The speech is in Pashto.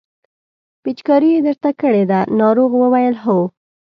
پېچکاري یې درته کړې ده ناروغ وویل هو.